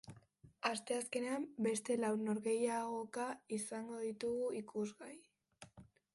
Asteazkenean beste lau norgehiagoka izango ditugu ikusgai.